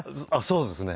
そうですね。